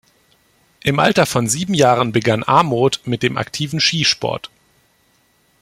Im Alter von sieben Jahren begann Aamodt mit dem aktiven Skisport.